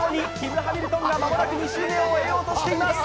キム・ハミルトンが順調に間もなく２周目を終えようとしています。